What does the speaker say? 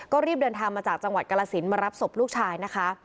ก็รีบเดินทางมาจากจังหวัดกรสินมารับศพลูกชายนะคะ